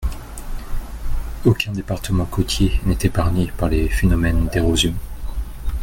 Aucun département côtier n’est épargné par les phénomènes d’érosion.